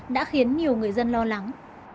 đã khiến nhiều người dân lo lắng